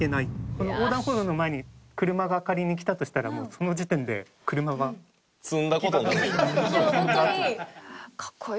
「この横断歩道の前に車が仮に来たとしたらもうその時点で車は」いやホントに。